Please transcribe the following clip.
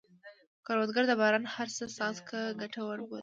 کروندګر د باران هره څاڅکه ګټوره بولي